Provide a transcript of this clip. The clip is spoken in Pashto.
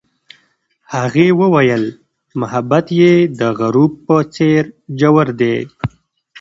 هغې وویل محبت یې د غروب په څېر ژور دی.